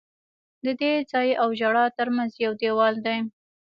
د دې ځای او ژړا ترمنځ یو دیوال دی.